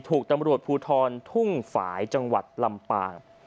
ถูกตำรวจภูทรทุ่งฝ่ายจังหวัดลำปาง